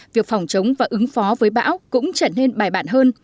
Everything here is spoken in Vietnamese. việc phòng chống và ứng phó với bão cũng trở nên bài bản hơn